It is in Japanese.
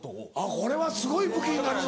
これはすごい武器になるぞ。